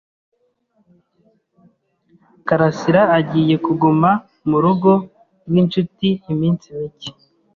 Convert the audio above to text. Karasiraagiye kuguma murugo rwinshuti iminsi mike.